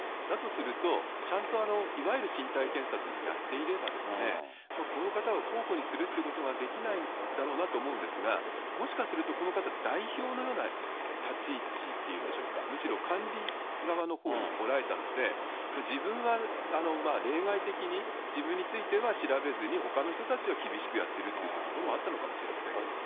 だとすると、ちゃんといわゆる身体検査っていうのをやっていれば、この方が候補にするということができないだろうなと思うんですが、もしかするとこの方、代表のような立ち位置っていうんでしょうか、むしろ管理側のほうにおられたので、自分は例外的に、自分については調べずに、ほかの人たちを厳しくやってるというところもあったのかもしれません。